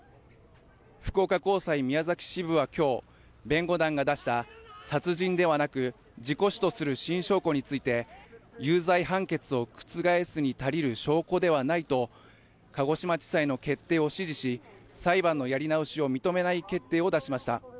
福岡高裁宮崎支部は今日、弁護団が出した殺人ではなく事故死とする新証拠について有罪判決を覆すに足りる証拠ではないと鹿児島地裁の決定を支持し、裁判のやり直しを認めない決定を出しました。